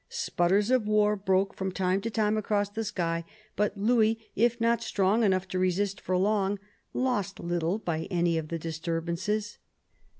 Sputters of war broke from time to time across the sky, but Louis, if not strong enough to resist for long, lost little by any of the disturbances.